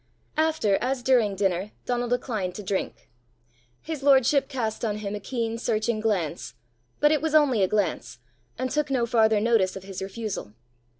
After as during dinner Donal declined to drink. His lordship cast on him a keen, searching glance, but it was only a glance, and took no farther notice of his refusal.